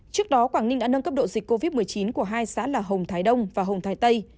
trước đó quảng ninh đã nâng cấp độ dịch covid một mươi chín của hai xã là hồng thái đông và hồng thái tây